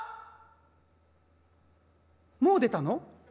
もう出たの？」。